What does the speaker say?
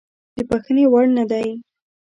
د بخښنې وړ نه دی.